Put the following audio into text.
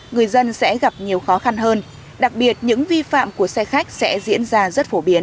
người dân sẽ gặp nhiều khó khăn hơn đặc biệt những vi phạm của xe khách sẽ diễn ra rất phổ biến